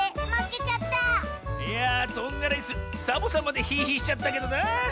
いやとんがらいすサボさんまでヒーヒーしちゃったけどな。